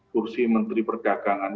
kursi menteri perdagangan